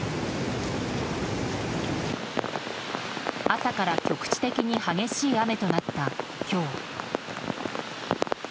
朝から局地的に激しい雨となった今日。